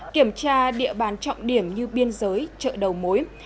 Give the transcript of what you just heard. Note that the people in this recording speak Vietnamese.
kiểm tra địa bàn trọng điểm như biên giới chợ đầu mối